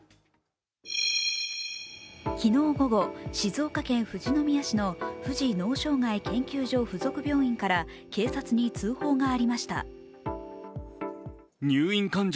昨日午後、静岡県富士宮市の富士脳障害研究所附属病院から警察に通報がありました。